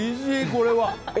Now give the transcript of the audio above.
これは。